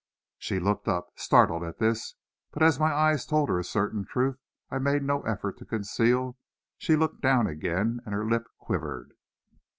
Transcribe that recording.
She looked up, startled at this, but as my eyes told her a certain truth I made no effort to conceal, she looked down again, and her lip quivered.